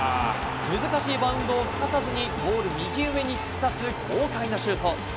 難しいバウンドをふかさずにゴール右上に突き刺す豪快なシュート。